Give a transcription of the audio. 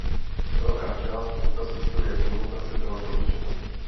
Velká část infrastruktury a komunikace byla poničena.